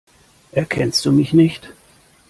Erkennst du mich nicht?